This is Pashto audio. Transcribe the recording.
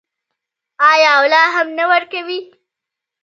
آیا او لا هم نه ورکوي؟